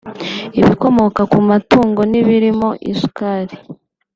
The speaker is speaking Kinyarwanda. ibikomoka ku matungo n’ibirimo isukari